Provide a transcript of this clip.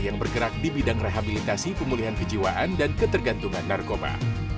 yang bergerak di bidang rehabilitasi pemulihan kejiwaan dan ketergantungan narkoba